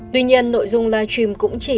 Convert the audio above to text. tuy nhiên nội dung live stream cũng chỉ